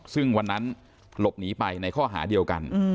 ซึ่งวันนั้นหลบหนีไปในข้อหาเดียวกัน